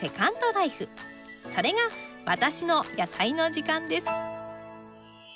それが『私のやさいの時間』です」